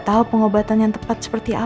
dia berada ting driva adiknya